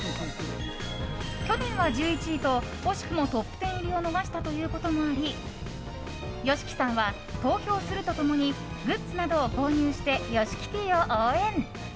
去年は１１位と惜しくもトップ１０入りを逃したということもありＹＯＳＨＩＫＩさんは投票すると共にグッズなどを購入してｙｏｓｈｉｋｉｔｔｙを応援。